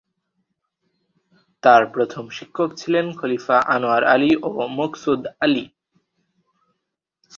তার প্রথম শিক্ষক ছিলেন খলিফা আনোয়ার আলী ও মকসুদ আলী।